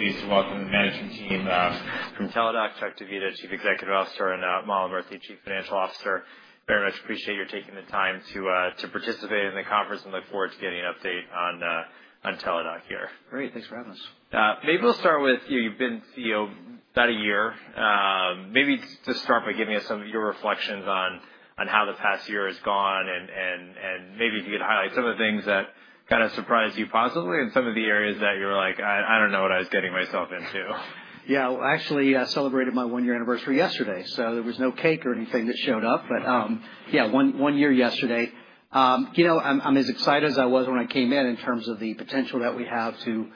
Very pleased to welcome the management team from Teladoc Health. Chuck Divita, Chief Executive Officer, and Mala Murthy, Chief Financial Officer. Very much appreciate your taking the time to participate in the conference and look forward to getting an update on Teladoc Health here. Great. Thanks for having us. Maybe we'll start with you. You've been CEO about a year. Maybe just start by giving us some of your reflections on how the past year has gone and maybe if you could highlight some of the things that kind of surprised you positively and some of the areas that you were like, "I don't know what I was getting myself into. Yeah. Actually, I celebrated my one-year anniversary yesterday, so there was no cake or anything that showed up. Yeah, one year yesterday. I'm as excited as I was when I came in in terms of the potential that we have to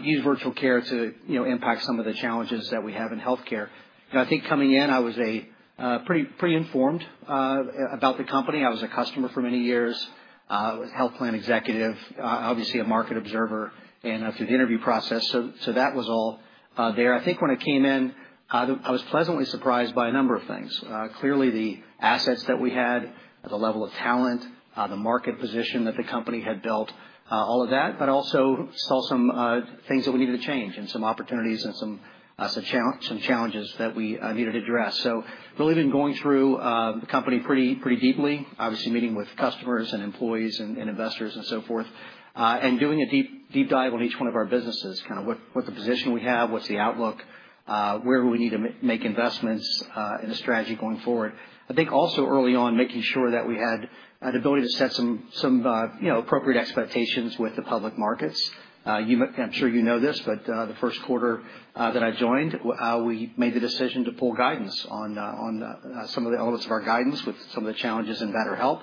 use virtual care to impact some of the challenges that we have in healthcare. I think coming in, I was pretty informed about the company. I was a customer for many years, a health plan executive, obviously a market observer, and through the interview process. That was all there. I think when I came in, I was pleasantly surprised by a number of things. Clearly, the assets that we had, the level of talent, the market position that the company had built, all of that, but also saw some things that we needed to change and some opportunities and some challenges that we needed to address. Really been going through the company pretty deeply, obviously meeting with customers and employees and investors and so forth, and doing a deep dive on each one of our businesses, kind of what the position we have, what's the outlook, where we need to make investments in a strategy going forward. I think also early on, making sure that we had the ability to set some appropriate expectations with the public markets. I'm sure you know this, but the first quarter that I joined, we made the decision to pull guidance on some of the elements of our guidance with some of the challenges in BetterHelp.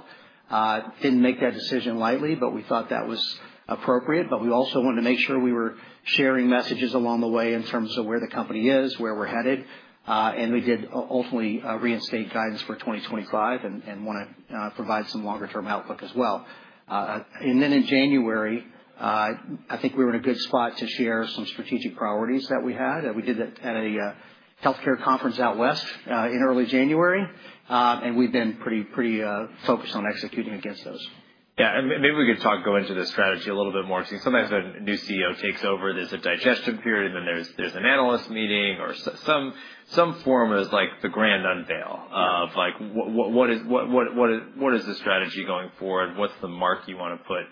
Didn't make that decision lightly, but we thought that was appropriate. We also wanted to make sure we were sharing messages along the way in terms of where the company is, where we're headed. We did ultimately reinstate guidance for 2025 and want to provide some longer-term outlook as well. In January, I think we were in a good spot to share some strategic priorities that we had. We did that at a healthcare conference out west in early January, and we have been pretty focused on executing against those. Yeah. Maybe we could go into the strategy a little bit more because sometimes when a new CEO takes over, there's a digestion period and then there's an analyst meeting or some form of the grand unveil of what is the strategy going forward, what's the mark you want to put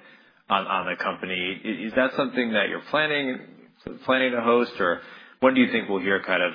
on the company. Is that something that you're planning to host, or when do you think we'll hear kind of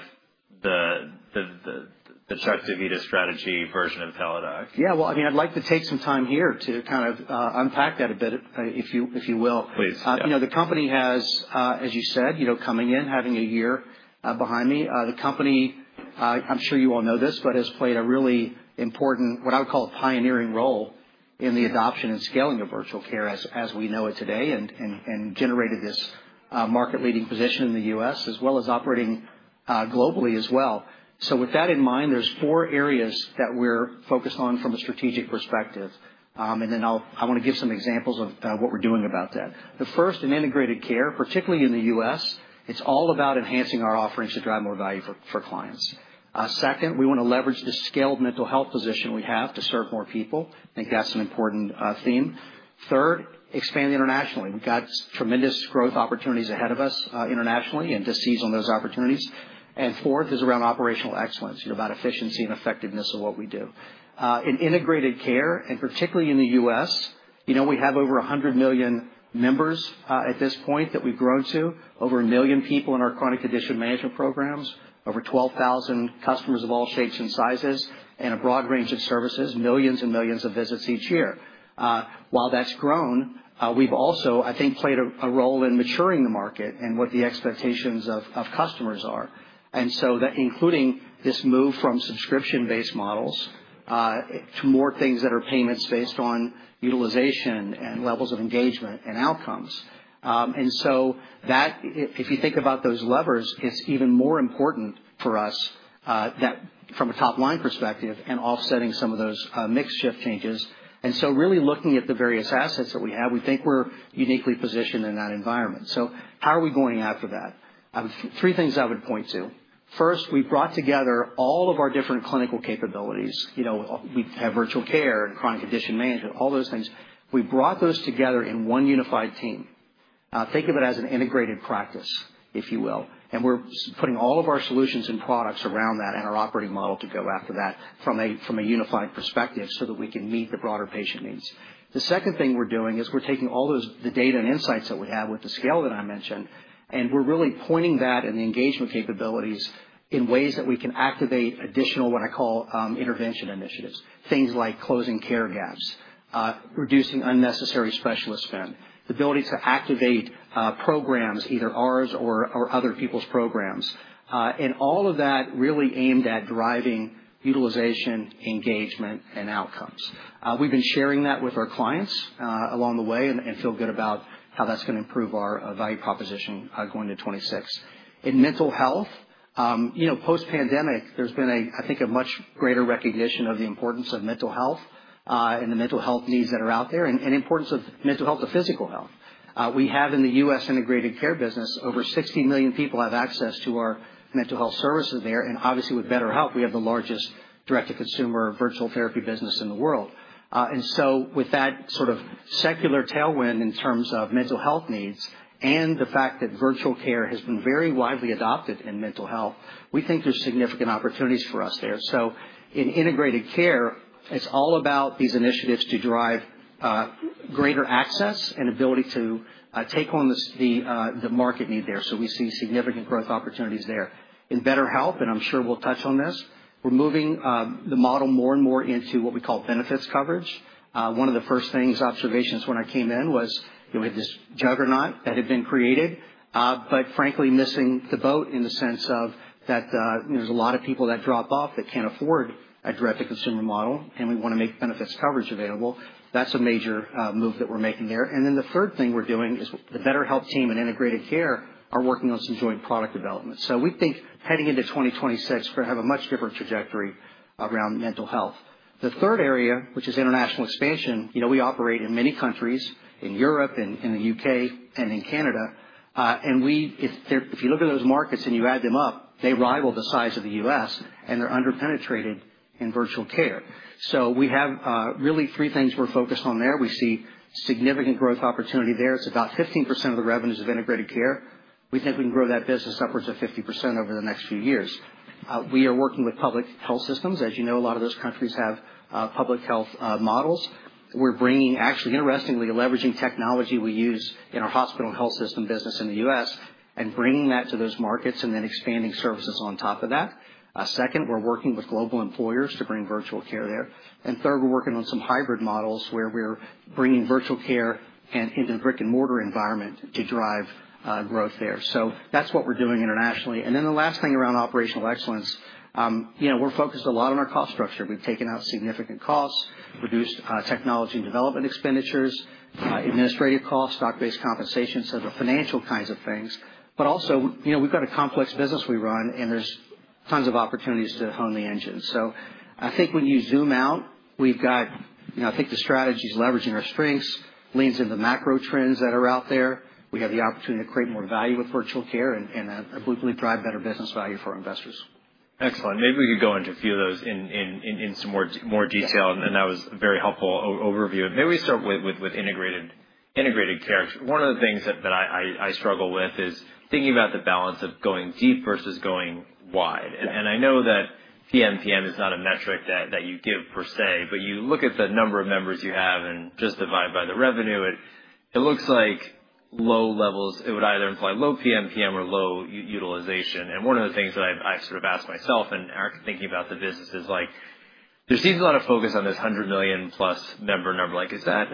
the Chuck Divita strategy version of Teladoc? Yeah. I mean, I'd like to take some time here to kind of unpack that a bit, if you will. Please. The company has, as you said, coming in, having a year behind me. The company, I'm sure you all know this, but has played a really important, what I would call a pioneering role in the adoption and scaling of virtual care as we know it today and generated this market-leading position in the U.S. as well as operating globally as well. With that in mind, there are four areas that we're focused on from a strategic perspective. I want to give some examples of what we're doing about that. The first, in integrated care, particularly in the U.S., it's all about enhancing our offerings to drive more value for clients. Second, we want to leverage the scaled mental health position we have to serve more people. I think that's an important theme. Third, expand internationally. We've got tremendous growth opportunities ahead of us internationally to seize on those opportunities. Fourth is around operational excellence, about efficiency and effectiveness of what we do. In integrated care, and particularly in the U.S., we have over 100 million members at this point that we've grown to, over a million people in our chronic condition management programs, over 12,000 customers of all shapes and sizes, and a broad range of services, millions and millions of visits each year. While that's grown, we've also, I think, played a role in maturing the market and what the expectations of customers are. That includes this move from subscription-based models to more things that are payments based on utilization and levels of engagement and outcomes. If you think about those levers, it's even more important for us from a top-line perspective and offsetting some of those mix-shift changes. Really looking at the various assets that we have, we think we're uniquely positioned in that environment. How are we going after that? Three things I would point to. First, we brought together all of our different clinical capabilities. We have virtual care and chronic condition management, all those things. We brought those together in one unified team. Think of it as an integrated practice, if you will. We're putting all of our solutions and products around that and our operating model to go after that from a unified perspective so that we can meet the broader patient needs. The second thing we're doing is we're taking all the data and insights that we have with the scale that I mentioned, and we're really pointing that and the engagement capabilities in ways that we can activate additional, what I call, intervention initiatives, things like closing care gaps, reducing unnecessary specialist spend, the ability to activate programs, either ours or other people's programs. All of that really aimed at driving utilization, engagement, and outcomes. We've been sharing that with our clients along the way and feel good about how that's going to improve our value proposition going to 2026. In mental health, post-pandemic, there's been, I think, a much greater recognition of the importance of mental health and the mental health needs that are out there and the importance of mental health to physical health. We have in the U.S. integrated care business, over 60 million people have access to our mental health services there. Obviously, with BetterHelp, we have the largest direct-to-consumer virtual therapy business in the world. With that sort of secular tailwind in terms of mental health needs and the fact that virtual care has been very widely adopted in mental health, we think there's significant opportunities for us there. In integrated care, it's all about these initiatives to drive greater access and ability to take on the market need there. We see significant growth opportunities there. In BetterHelp, and I'm sure we'll touch on this, we're moving the model more and more into what we call benefits coverage. One of the first things, observations when I came in, was we had this juggernaut that had been created, but frankly, missing the boat in the sense of that there's a lot of people that drop off that can't afford a direct-to-consumer model, and we want to make benefits coverage available. That's a major move that we're making there. The third thing we're doing is the BetterHelp team and integrated care are working on some joint product development. We think heading into 2026, we're going to have a much different trajectory around mental health. The third area, which is international expansion, we operate in many countries, in Europe, in the U.K., and in Canada. If you look at those markets and you add them up, they rival the size of the U.S., and they're underpenetrated in virtual care. We have really three things we're focused on there. We see significant growth opportunity there. It's about 15% of the revenues of integrated care. We think we can grow that business upwards of 50% over the next few years. We are working with public health systems. As you know, a lot of those countries have public health models. We're bringing, actually, interestingly, leveraging technology we use in our hospital and health system business in the U.S. and bringing that to those markets and then expanding services on top of that. Second, we're working with global employers to bring virtual care there. Third, we're working on some hybrid models where we're bringing virtual care into the brick-and-mortar environment to drive growth there. That's what we're doing internationally. The last thing around operational excellence, we're focused a lot on our cost structure. We've taken out significant costs, reduced technology and development expenditures, administrative costs, stock-based compensation, so the financial kinds of things. Also, we've got a complex business we run, and there's tons of opportunities to hone the engine. I think when you zoom out, we've got, I think, the strategy is leveraging our strengths, leans into macro trends that are out there. We have the opportunity to create more value with virtual care and hopefully drive better business value for our investors. Excellent. Maybe we could go into a few of those in some more detail, and that was a very helpful overview. Maybe we start with integrated care. One of the things that I struggle with is thinking about the balance of going deep versus going wide. I know that PM/PM is not a metric that you give per se, but you look at the number of members you have and just divide by the revenue, it looks like low levels. It would either imply low PM/PM or low utilization. One of the things that I've sort of asked myself in thinking about the business is there seems a lot of focus on this 100 million-plus member number. Is that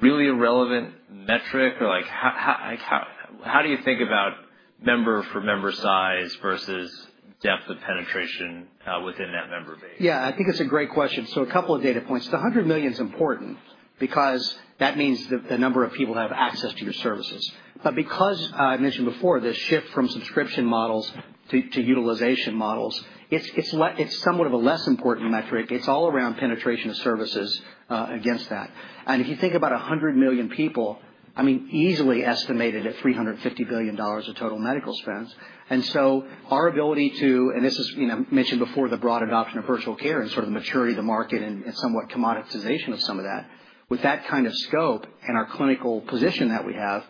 really a relevant metric? How do you think about member-for-member size versus depth of penetration within that member base? Yeah. I think it's a great question. A couple of data points. The 100 million is important because that means the number of people that have access to your services. Because, I mentioned before, the shift from subscription models to utilization models, it's somewhat of a less important metric. It's all around penetration of services against that. If you think about 100 million people, I mean, easily estimated at $350 billion of total medical spend. Our ability to, and this is mentioned before, the broad adoption of virtual care and sort of the maturity of the market and somewhat commoditization of some of that, with that kind of scope and our clinical position that we have,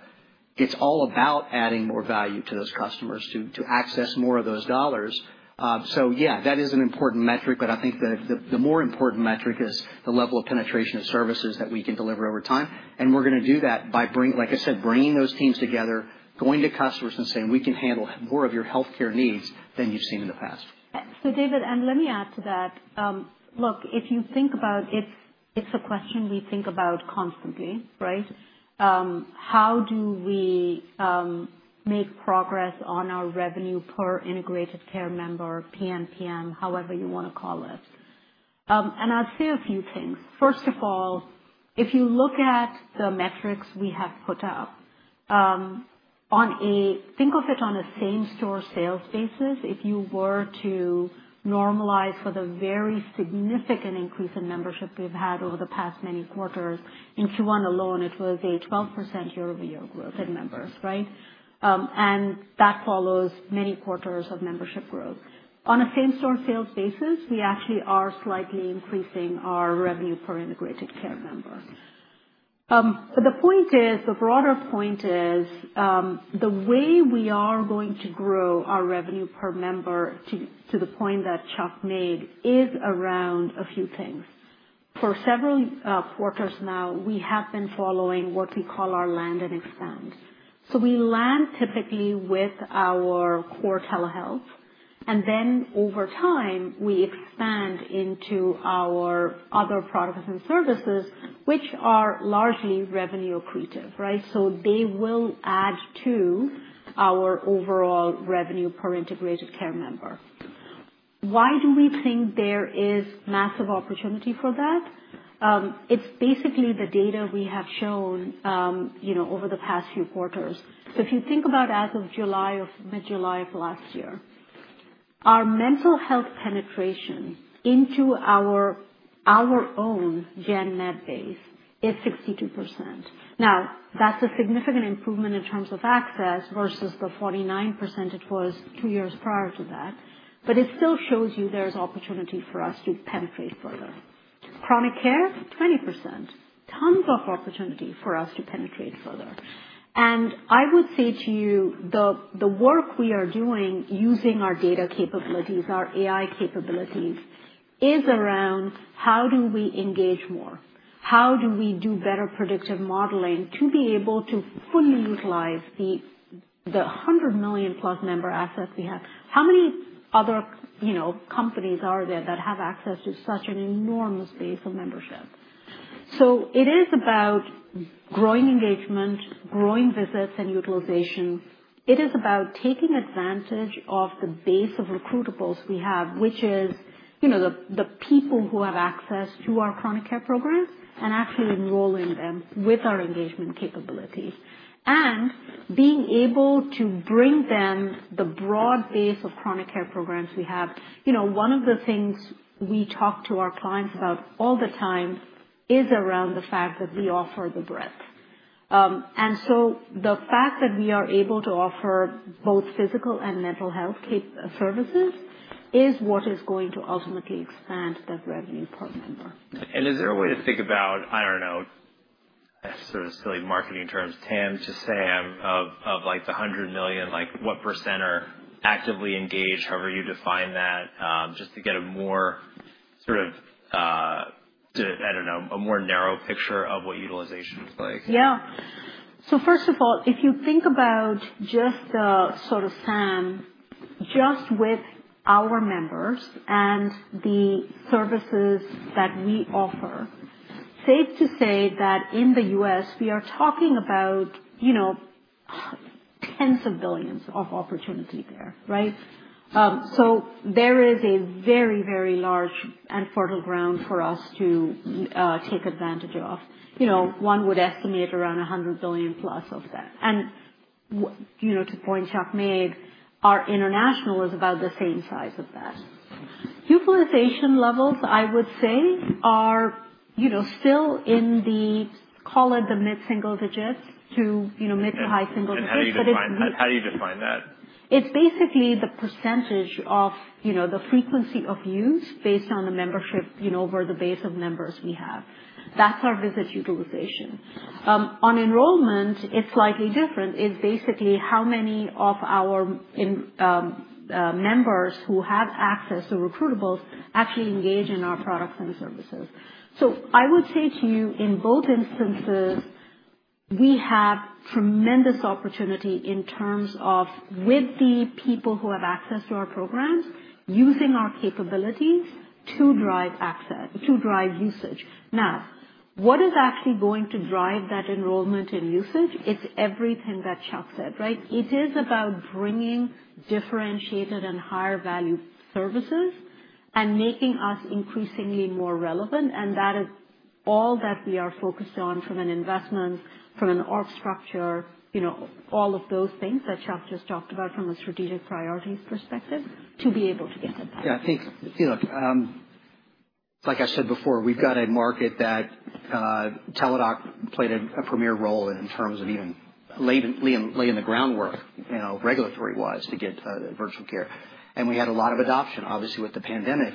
it's all about adding more value to those customers to access more of those dollars. Yeah, that is an important metric, but I think the more important metric is the level of penetration of services that we can deliver over time. We're going to do that by, like I said, bringing those teams together, going to customers and saying, "We can handle more of your healthcare needs than you've seen in the past. David, let me add to that. Look, if you think about it, it's a question we think about constantly, right? How do we make progress on our revenue per integrated care member, PM/PM, however you want to call it? I'll say a few things. First of all, if you look at the metrics we have put up, think of it on a same-store sales basis. If you were to normalize for the very significant increase in membership we've had over the past many quarters, in Q1 alone, it was a 12% year-over-year growth in members, right? That follows many quarters of membership growth. On a same-store sales basis, we actually are slightly increasing our revenue per integrated care member. The broader point is the way we are going to grow our revenue per member to the point that Chuck made is around a few things. For several quarters now, we have been following what we call our land and expand. We land typically with our core Telehealth, and then over time, we expand into our other products and services, which are largely revenue accretive, right? They will add to our overall revenue per integrated care member. Why do we think there is massive opportunity for that? It is basically the data we have shown over the past few quarters. If you think about as of mid-July of last year, our mental health penetration into our own GenNet base is 62%. That is a significant improvement in terms of access versus the 49% it was two years prior to that. It still shows you there is opportunity for us to penetrate further. Chronic care, 20%. Tons of opportunity for us to penetrate further. I would say to you, the work we are doing using our data capabilities, our AI capabilities, is around how do we engage more? How do we do better predictive modeling to be able to fully utilize the 100 million+ member assets we have? How many other companies are there that have access to such an enormous base of membership? It is about growing engagement, growing visits, and utilization. It is about taking advantage of the base of recruitables we have, which is the people who have access to our chronic care programs and actually enrolling them with our engagement capabilities and being able to bring them the broad base of chronic care programs we have. One of the things we talk to our clients about all the time is around the fact that we offer the breadth. The fact that we are able to offer both physical and mental health services is what is going to ultimately expand the revenue per member. Is there a way to think about, I don't know, sort of silly marketing terms, TAM to SAM of the 100 million, what % are actively engaged, however you define that, just to get a more sort of, I don't know, a more narrow picture of what utilization looks like? Yeah. First of all, if you think about just the sort of SAM, just with our members and the services that we offer, safe to say that in the US, we are talking about tens of billions of opportunity there, right? There is a very, very large and fertile ground for us to take advantage of. One would estimate around $100 billion-pluof that. To the point Chuck made, our international is about the same size of that. Utilization levels, I would say, are still in the, call it the mid-single digits to mid-to-high single digits. How do you define that? It's basically the percentage of the frequency of use based on the membership over the base of members we have. That's our visit utilization. On enrollment, it's slightly different. It's basically how many of our members who have access to recruitables actually engage in our products and services. I would say to you, in both instances, we have tremendous opportunity in terms of with the people who have access to our programs, using our capabilities to drive usage. Now, what is actually going to drive that enrollment and usage? It's everything that Chuck said, right? It is about bringing differentiated and higher-value services and making us increasingly more relevant. That is all that we are focused on from an investment, from an org structure, all of those things that Chuck just talked about from a strategic priorities perspective to be able to get that. Yeah. I think, like I said before, we've got a market that Teladoc played a premier role in terms of even laying the groundwork regulatory-wise to get virtual care. We had a lot of adoption, obviously, with the pandemic.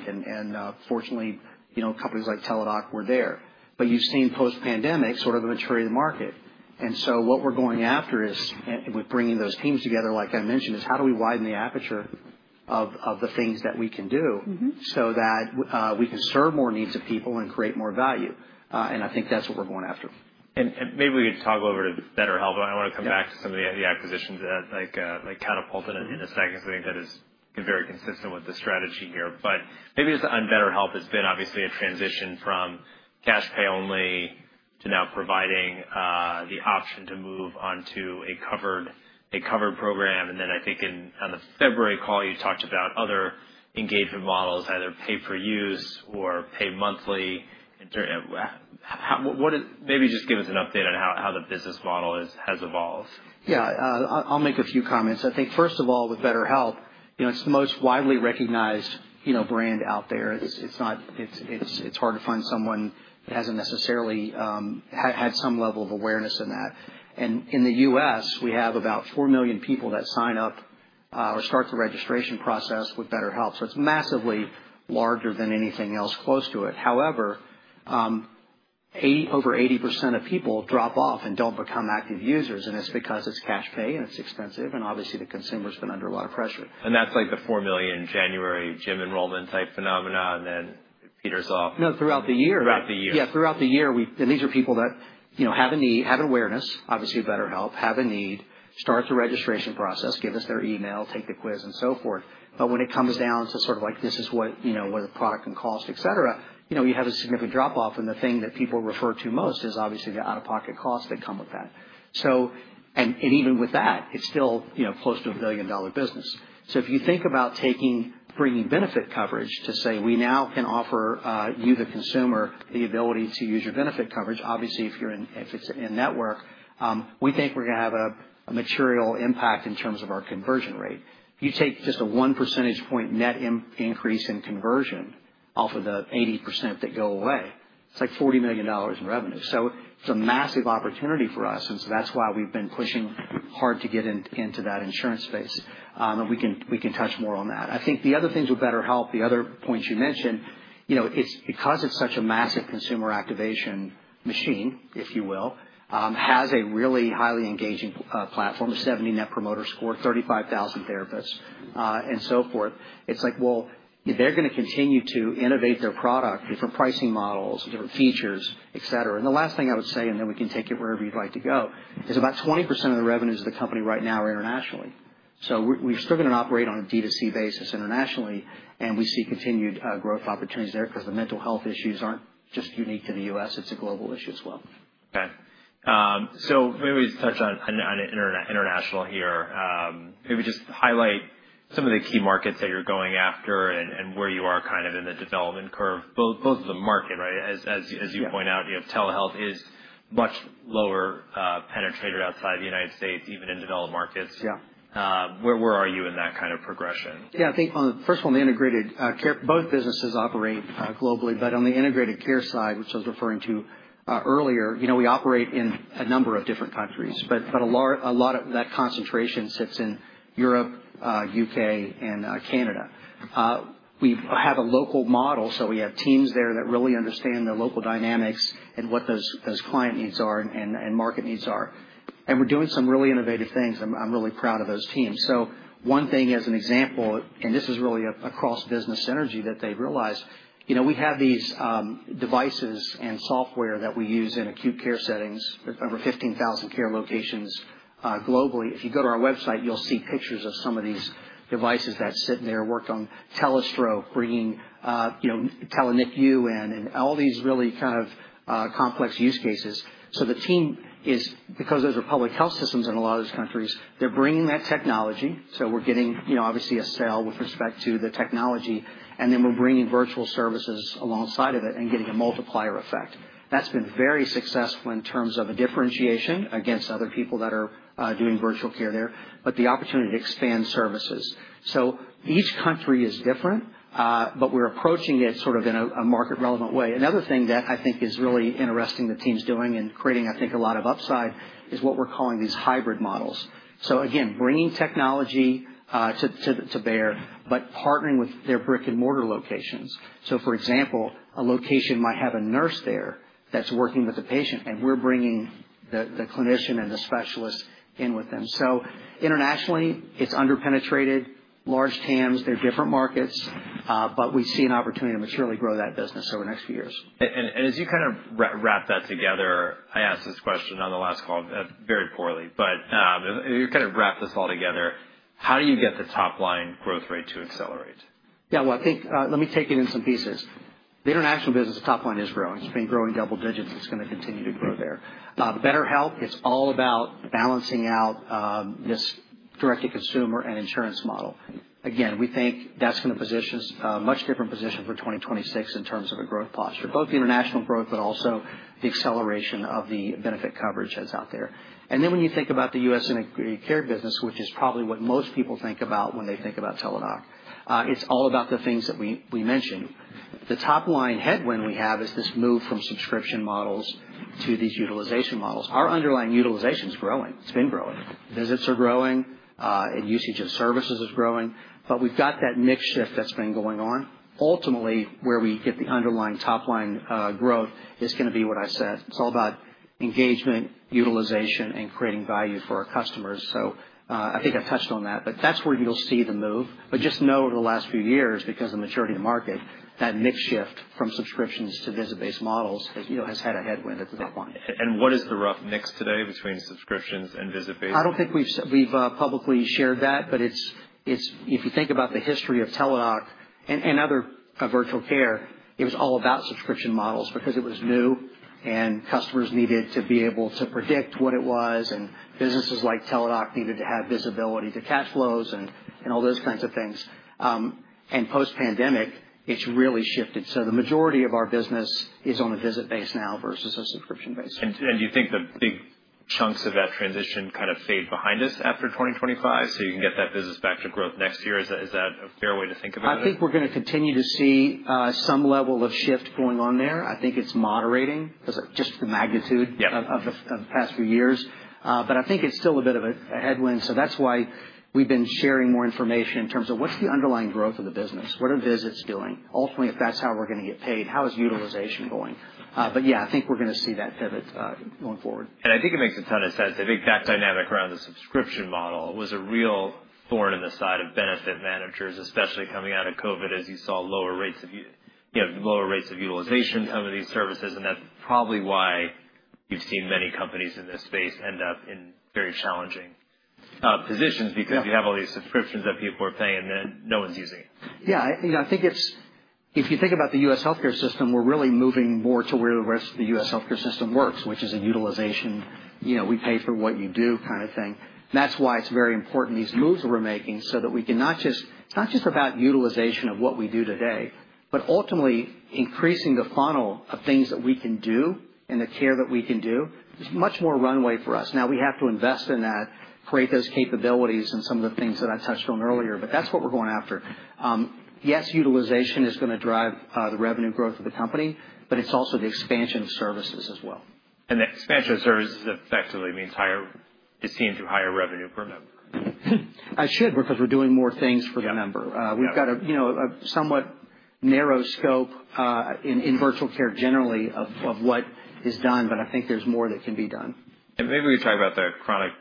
Fortunately, companies like Teladoc were there. You've seen post-pandemic sort of the maturity of the market. What we're going after is, with bringing those teams together, like I mentioned, is how do we widen the aperture of the things that we can do so that we can serve more needs of people and create more value? I think that's what we're going after. Maybe we could toggle over to BetterHelp. I want to come back to some of the acquisitions like Catapult in a second because I think that is very consistent with the strategy here. Maybe on BetterHelp, it's been obviously a transition from cash pay-only to now providing the option to move on to a covered program. I think on the February call, you talked about other engagement models, either pay-for-use or pay-monthly. Maybe just give us an update on how the business model has evolved. Yeah. I'll make a few comments. I think, first of all, with BetterHelp, it's the most widely recognized brand out there. It's hard to find someone that hasn't necessarily had some level of awareness in that. In the U.S., we have about 4 million people that sign up or start the registration process with BetterHelp. So it's massively larger than anything else close to it. However, over 80% of people drop off and don't become active users. It's because it's cash pay and it's expensive. Obviously, the consumer has been under a lot of pressure. That's like the 4 million in January, gym enrollment type phenomenon, and then peters off. No, throughout the year. Throughout the year. Yeah. Throughout the year, and these are people that have an awareness, obviously, of BetterHelp, have a need, start the registration process, give us their email, take the quiz, and so forth. When it comes down to sort of like, "This is what the product can cost," etc., you have a significant drop-off. The thing that people refer to most is obviously the out-of-pocket costs that come with that. Even with that, it's still close to a billion-dollar business. If you think about bringing benefit coverage to say, "We now can offer you, the consumer, the ability to use your benefit coverage," obviously, if it's in network, we think we're going to have a material impact in terms of our conversion rate. You take just a 1 percentage point net increase in conversion off of the 80% that go away, it's like $40 million in revenue. It's a massive opportunity for us. That is why we've been pushing hard to get into that insurance space. We can touch more on that. I think the other things with BetterHelp, the other points you mentioned, it's because it's such a massive consumer activation machine, if you will, has a really highly engaging platform, a 70% net promoter score, 35,000 therapists, and so forth. It's like, well, they're going to continue to innovate their product, different pricing models, different features, etc. The last thing I would say, and then we can take it wherever you'd like to go, is about 20% of the revenues of the company right now are internationally. We are still going to operate on a D2C basis internationally. We see continued growth opportunities there because the mental health issues aren't just unique to the U.S. It's a global issue as well. Okay. Maybe we touch on international here. Maybe just highlight some of the key markets that you're going after and where you are kind of in the development curve, both of the market, right? As you point out, virtual care is much lower penetrated outside the U.S., even in developed markets. Where are you in that kind of progression? Yeah. I think, first of all, on the integrated care, both businesses operate globally. On the integrated care side, which I was referring to earlier, we operate in a number of different countries. A lot of that concentration sits in Europe, U.K., and Canada. We have a local model. We have teams there that really understand the local dynamics and what those client needs are and market needs are. We're doing some really innovative things. I'm really proud of those teams. One thing, as an example, and this is really a cross-business synergy that they've realized, we have these devices and software that we use in acute care settings, over 15,000 care locations globally. If you go to our website, you'll see pictures of some of these devices that sit there, worked on Telestroke, bringing TeleNetU in, and all these really kind of complex use cases. The team is, because those are public health systems in a lot of those countries, they're bringing that technology. We're getting, obviously, a sale with respect to the technology. We're bringing virtual services alongside of it and getting a multiplier effect. That has been very successful in terms of a differentiation against other people that are doing virtual care there, but the opportunity to expand services. Each country is different, but we're approaching it sort of in a market-relevant way. Another thing that I think is really interesting the team's doing and creating, I think, a lot of upside is what we're calling these hybrid models. Again, bringing technology to bear, but partnering with their brick-and-mortar locations. For example, a location might have a nurse there that's working with the patient, and we're bringing the clinician and the specialist in with them. Internationally, it's under-penetrated, large TAMs. They're different markets, but we see an opportunity to maturely grow that business over the next few years. As you kind of wrap that together, I asked this question on the last call very poorly, but you kind of wrapped this all together. How do you get the top-line growth rate to accelerate? Yeah. I think let me take it in some pieces. The international business, the top line is growing. It's been growing double digits. It's going to continue to grow there. BetterHelp, it's all about balancing out this direct-to-consumer and insurance model. Again, we think that's going to position us in a much different position for 2026 in terms of a growth posture, both the international growth, but also the acceleration of the benefit coverage that's out there. When you think about the US integrated care business, which is probably what most people think about when they think about Teladoc, it's all about the things that we mentioned. The top-line headwind we have is this move from subscription models to these utilization models. Our underlying utilization is growing. It's been growing. Visits are growing. Usage of services is growing. We have got that mix shift that has been going on. Ultimately, where we get the underlying top-line growth is going to be what I said. It is all about engagement, utilization, and creating value for our customers. I think I have touched on that, but that is where you will see the move. Just know over the last few years, because of the maturity of the market, that mix shift from subscriptions to visit-based models has had a headwind at the top line. What is the rough mix today between subscriptions and visit-based? I don't think we've publicly shared that, but if you think about the history of Teladoc and other virtual care, it was all about subscription models because it was new, and customers needed to be able to predict what it was. And businesses like Teladoc needed to have visibility to cash flows and all those kinds of things. Post-pandemic, it's really shifted. The majority of our business is on a visit-based now versus a subscription-based. Do you think the big chunks of that transition kind of fade behind us after 2025 so you can get that business back to growth next year? Is that a fair way to think about it? I think we're going to continue to see some level of shift going on there. I think it's moderating because of just the magnitude of the past few years. I think it's still a bit of a headwind. That's why we've been sharing more information in terms of what's the underlying growth of the business. What are visits doing? Ultimately, if that's how we're going to get paid, how is utilization going? Yeah, I think we're going to see that pivot going forward. I think it makes a ton of sense. I think that dynamic around the subscription model was a real thorn in the side of benefit managers, especially coming out of COVID, as you saw lower rates of utilization in some of these services. That is probably why you have seen many companies in this space end up in very challenging positions because you have all these subscriptions that people are paying, and then no one's using it. Yeah. I think if you think about the U.S. healthcare system, we're really moving more to where the rest of the U.S. healthcare system works, which is a utilization we pay for what you do kind of thing. That's why it's very important these moves that we're making so that we can not just it's not just about utilization of what we do today, but ultimately increasing the funnel of things that we can do and the care that we can do. There's much more runway for us. Now, we have to invest in that, create those capabilities, and some of the things that I touched on earlier. That's what we're going after. Yes, utilization is going to drive the revenue growth of the company, but it's also the expansion of services as well. The expansion of services is effectively the entire is seen through higher revenue per member. I should, because we're doing more things for the member. We've got a somewhat narrow scope in virtual care generally of what is done, but I think there's more that can be done. Maybe we could talk about the chronic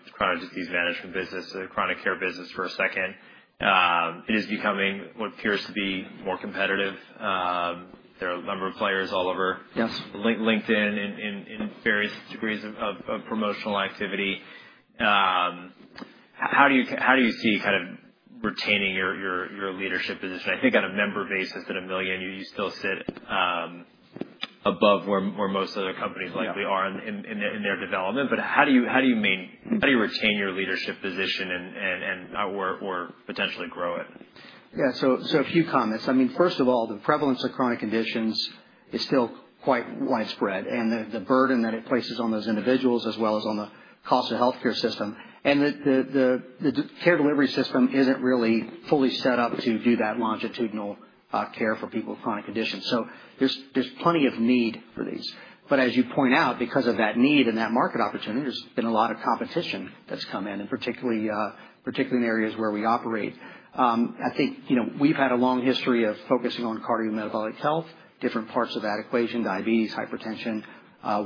disease management business, the chronic care business for a second. It is becoming what appears to be more competitive. There are a number of players all over, LinkedIn in various degrees of promotional activity. How do you see kind of retaining your leadership position? I think on a member basis at a million, you still sit above where most other companies likely are in their development. How do you maintain your leadership position or potentially grow it? Yeah. A few comments. I mean, first of all, the prevalence of chronic conditions is still quite widespread and the burden that it places on those individuals as well as on the cost of the healthcare system. The care delivery system is not really fully set up to do that longitudinal care for people with chronic conditions. There is plenty of need for these. As you point out, because of that need and that market opportunity, there has been a lot of competition that has come in, particularly in areas where we operate. I think we have had a long history of focusing on cardiometabolic health, different parts of that equation, diabetes, hypertension,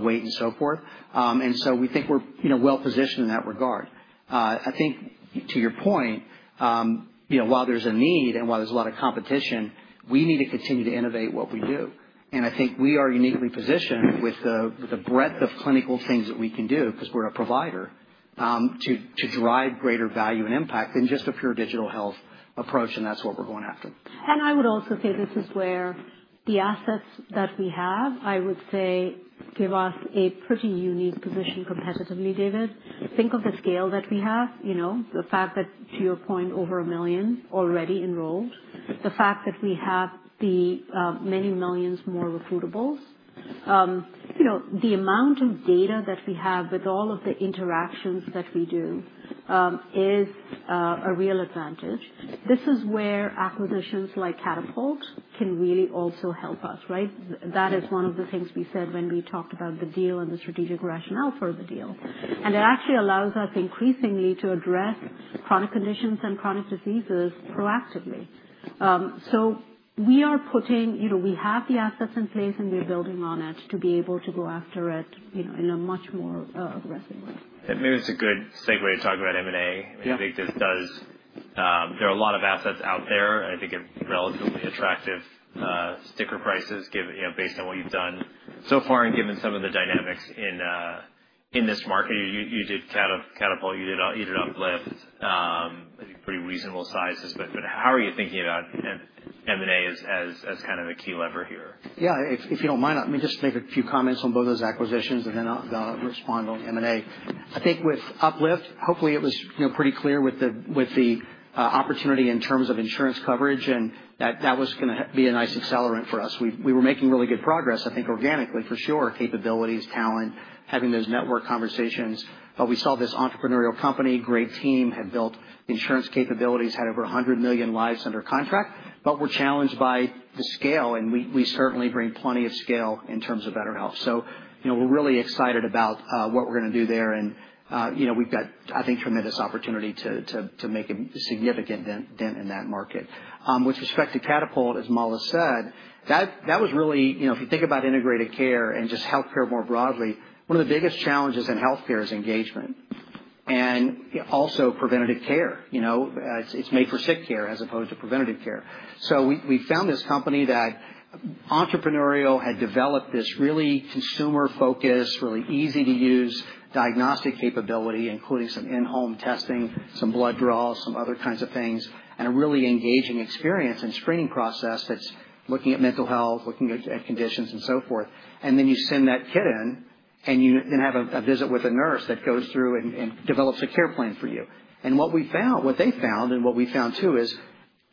weight, and so forth. We think we are well-positioned in that regard. I think, to your point, while there's a need and while there's a lot of competition, we need to continue to innovate what we do. I think we are uniquely positioned with the breadth of clinical things that we can do because we're a provider to drive greater value and impact than just a pure digital health approach. That's what we're going after. I would also say this is where the assets that we have, I would say, give us a pretty unique position competitively, David. Think of the scale that we have, the fact that, to your point, over a million already enrolled, the fact that we have the many millions more recruitables. The amount of data that we have with all of the interactions that we do is a real advantage. This is where acquisitions like Catapult can really also help us, right? That is one of the things we said when we talked about the deal and the strategic rationale for the deal. It actually allows us increasingly to address chronic conditions and chronic diseases proactively. We are putting, we have the assets in place, and we're building on it to be able to go after it in a much more aggressive way. Maybe it's a good segue to talk about M&A. I think there's a lot of assets out there. I think relatively attractive sticker prices based on what you've done so far and given some of the dynamics in this market. You did Catapult. You did Uplift. I think pretty reasonable sizes. How are you thinking about M&A as kind of a key lever here? Yeah. If you don't mind, let me just make a few comments on both those acquisitions, and then I'll respond on M&A. I think with Uplift, hopefully, it was pretty clear with the opportunity in terms of insurance coverage, and that was going to be a nice accelerant for us. We were making really good progress, I think, organically, for sure, capabilities, talent, having those network conversations. We saw this entrepreneurial company, great team, had built insurance capabilities, had over 100 million lives under contract. We were challenged by the scale, and we certainly bring plenty of scale in terms of BetterHelp. We are really excited about what we are going to do there. We have, I think, tremendous opportunity to make a significant dent in that market. With respect to Catapult, as Mala said, that was really if you think about integrated care and just healthcare more broadly, one of the biggest challenges in healthcare is engagement and also preventative care. It is made for sick care as opposed to preventative care. We found this company that entrepreneurial had developed this really consumer-focused, really easy-to-use diagnostic capability, including some in-home testing, some blood draws, some other kinds of things, and a really engaging experience and screening process that is looking at mental health, looking at conditions and so forth. You send that kit in, and you then have a visit with a nurse that goes through and develops a care plan for you. What they found, and what we found too, is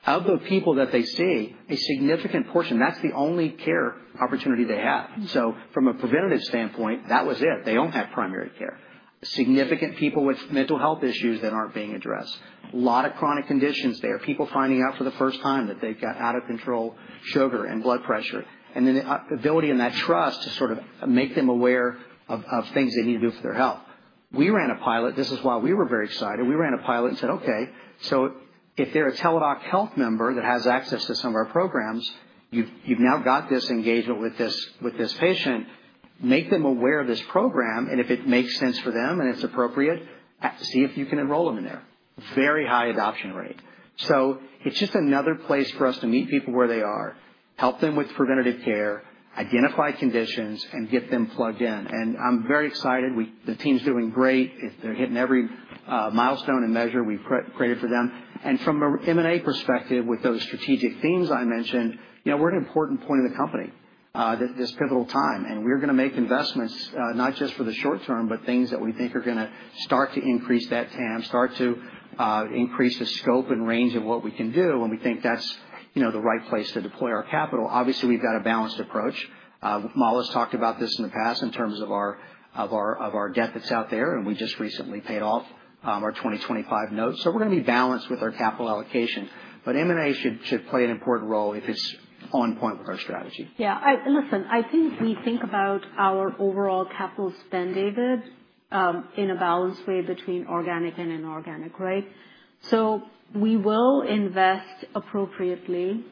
of the people that they see, a significant portion, that is the only care opportunity they have. From a preventative standpoint, that was it. They do not have primary care. Significant people with mental health issues that are not being addressed. A lot of chronic conditions there. People finding out for the first time that they have got out-of-control sugar and blood pressure. The ability and that trust to sort of make them aware of things they need to do for their health. We ran a pilot. This is why we were very excited. We ran a pilot and said, "Okay. If they are a Teladoc Health member that has access to some of our programs, you have now got this engagement with this patient, make them aware of this program. If it makes sense for them and it is appropriate, see if you can enroll them in there." Very high adoption rate. It is just another place for us to meet people where they are, help them with preventative care, identify conditions, and get them plugged in. I am very excited. The team's doing great. They're hitting every milestone and measure we've created for them. From an M&A perspective, with those strategic themes I mentioned, we're at an important point in the company, this pivotal time. We're going to make investments not just for the short term, but things that we think are going to start to increase that TAM, start to increase the scope and range of what we can do when we think that's the right place to deploy our capital. Obviously, we've got a balanced approach. Mala's talked about this in the past in terms of our debt that's out there, and we just recently paid off our 2025 note. We're going to be balanced with our capital allocation. M&A should play an important role if it's on point with our strategy. Yeah. Listen, I think we think about our overall capital spend, David, in a balanced way between organic and inorganic, right? We will invest appropriately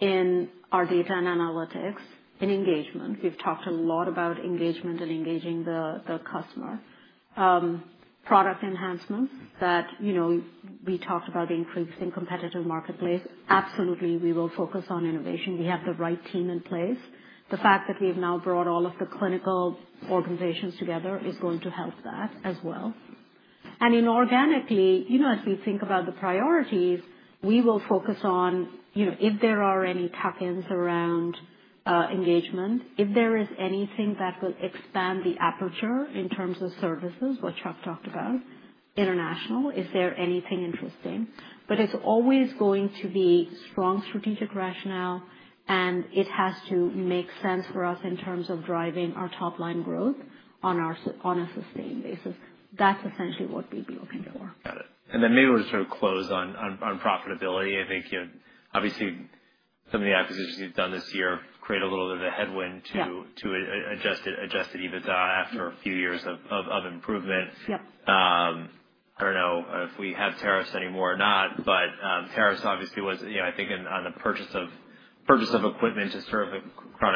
in our data and analytics, in engagement. We have talked a lot about engagement and engaging the customer. Product enhancements that we talked about increasing competitive marketplace. Absolutely, we will focus on innovation. We have the right team in place. The fact that we have now brought all of the clinical organizations together is going to help that as well. Inorganically, as we think about the priorities, we will focus on if there are any tuck-ins around engagement, if there is anything that will expand the aperture in terms of services, what Chuck talked about, international, is there anything interesting? It is always going to be strong strategic rationale, and it has to make sense for us in terms of driving our top-line growth on a sustained basis. That is essentially what we would be looking for. Got it. And then maybe we'll just sort of close on profitability. I think, obviously, some of the acquisitions you've done this year create a little bit of a headwind to adjusted EBITDA after a few years of improvement. I don't know if we have tariffs anymore or not, but tariffs obviously was, I think, on the purchase of equipment to serve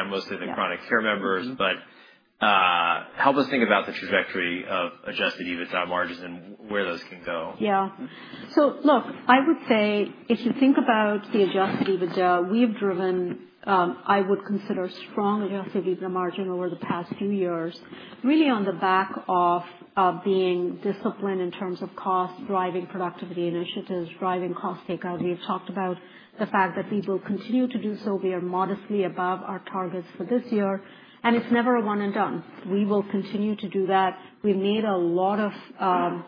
mostly the Chronic Care members. But help us think about the trajectory of adjusted EBITDA margins and where those can go. Yeah. Look, I would say if you think about the adjusted EBITDA, we have driven, I would consider, strong adjusted EBITDA margin over the past few years, really on the back of being disciplined in terms of cost, driving productivity initiatives, driving cost takeout. We have talked about the fact that we will continue to do so. We are modestly above our targets for this year. It's never a one-and-done. We will continue to do that. We made a lot of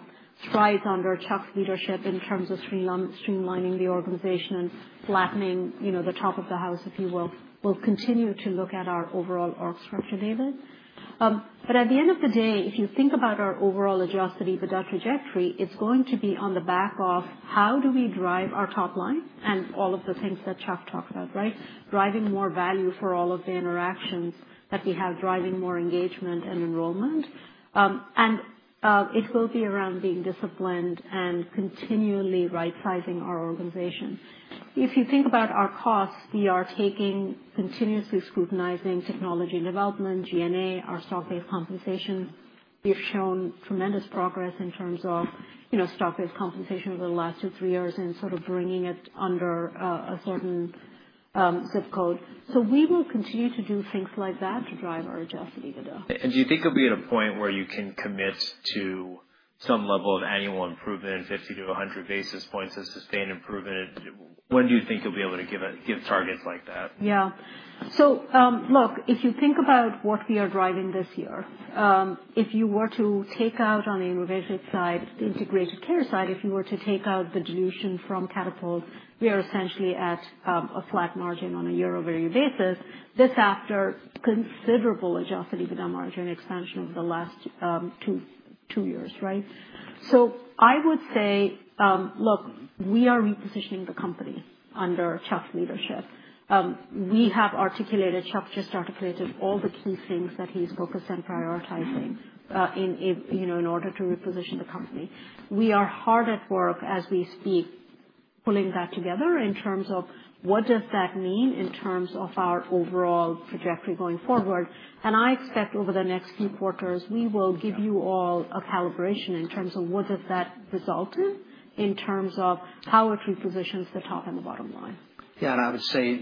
strides under Chuck's leadership in terms of streamlining the organization and flattening the top of the house, if you will. We'll continue to look at our overall org structure, David. At the end of the day, if you think about our overall adjusted EBITDA trajectory, it is going to be on the back of how do we drive our top line and all of the things that Chuck talked about, right? Driving more value for all of the interactions that we have, driving more engagement and enrollment. It will be around being disciplined and continually right-sizing our organization. If you think about our costs, we are continuously scrutinizing technology and development, G&A, our stock-based compensation. We have shown tremendous progress in terms of stock-based compensation over the last two, three years in sort of bringing it under a certain zip code. We will continue to do things like that to drive our adjusted EBITDA. Do you think you'll be at a point where you can commit to some level of annual improvement, 50-100 basis points of sustained improvement? When do you think you'll be able to give targets like that? Yeah. If you think about what we are driving this year, if you were to take out on the integrated care side, if you were to take out the dilution from Catapult, we are essentially at a flat margin on a year-over-year basis this after considerable adjusted EBITDA margin expansion over the last two years, right? I would say, look, we are repositioning the company under Chuck's leadership. We have articulated, Chuck just articulated all the key things that he's focused on prioritizing in order to reposition the company. We are hard at work as we speak pulling that together in terms of what does that mean in terms of our overall trajectory going forward. I expect over the next few quarters, we will give you all a calibration in terms of what does that result in in terms of how it repositions the top and the bottom line. Yeah. I would say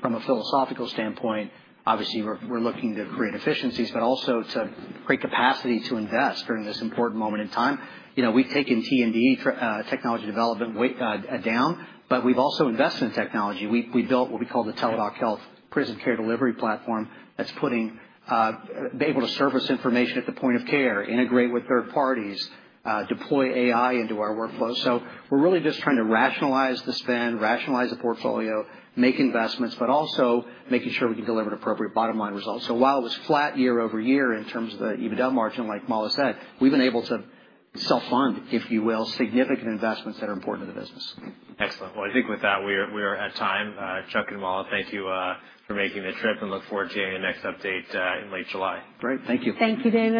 from a philosophical standpoint, obviously, we're looking to create efficiencies, but also to create capacity to invest during this important moment in time. We've taken T&D, technology development, down, but we've also invested in technology. We built what we call the Teladoc Health Prison Care Delivery Platform that's able to surface information at the point of care, integrate with third parties, deploy AI into our workflow. We're really just trying to rationalize the spend, rationalize the portfolio, make investments, but also making sure we can deliver an appropriate bottom-line result. While it was flat year-over-year in terms of the EBITDA margin, like Mala said, we've been able to self-fund, if you will, significant investments that are important to the business. Excellent. I think with that, we are at time. Chuck and Mala, thank you for making the trip, and look forward to hearing the next update in late July. Great. Thank you. Thank you, David.